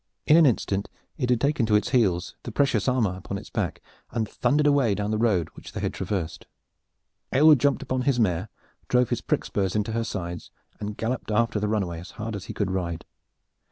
In an instant it had taken to its heels, the precious armor upon its back, and thundered away down the road which they had traversed. Aylward jumped upon his mare, drove his prick spurs into her sides and galloped after the runaway as hard as he could ride.